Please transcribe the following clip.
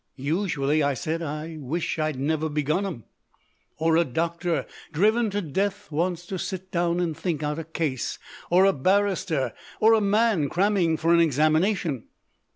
"Usually," I said, "I wish I'd never begun 'em." "Or a doctor, driven to death, wants to sit down and think out a case. Or a barrister or a man cramming for an examination."